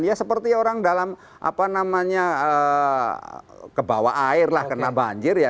ya seperti orang dalam apa namanya kebawa air lah kena banjir ya